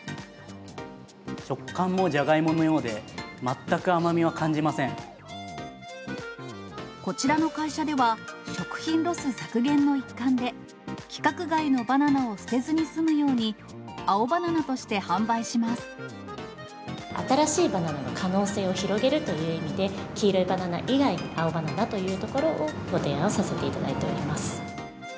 食感もジャガイモのようで、こちらの会社では、食品ロス削減の一環で、規格外のバナナを捨てずに済むように、新しいバナナの可能性を広げるという意味で、黄色いバナナ以外、青バナナというところをご提案させていただいております。